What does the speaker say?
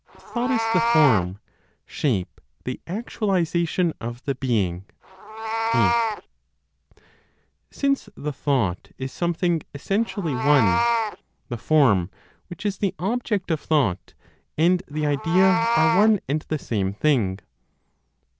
THOUGHT IS THE FORM, SHAPE THE ACTUALIZATION OF THE BEING. 8. Since the thought is something essentially one (?), the form, which is the object of thought, and the idea[134, 134a] are one and the same thing.